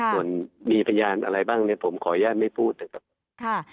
ส่วนมีพยานอะไรบ้างเนี่ยผมขออนุญาตไม่พูดนะครับ